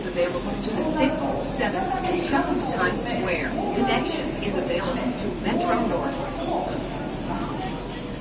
こうなると、再び関東を含め広範囲で強い雨大雨となることも考えられます。